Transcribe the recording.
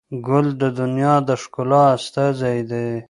ګل د دنیا د ښکلا استازی دی.